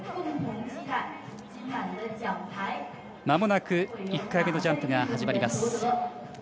まもなく１回目のジャンプが始まります。